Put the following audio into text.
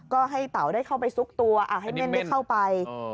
ก็ให้เต๋าได้เข้าไปซุกตัวให้เม่นได้เข้าไป